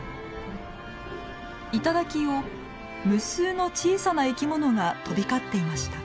頂を無数の小さな生き物が飛び交っていました。